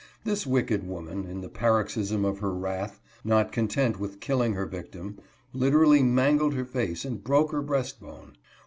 This wicked woman, in the paroxysm of her wrath, not content with killing her victim, literally mangled her face and broke her breast bone.